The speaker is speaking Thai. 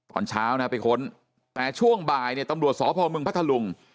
ตอนเช้านะครับพี่ค้นแต่ช่วงบ่ายเนี่ยตำรวจสอบพลเมืองพัทลุง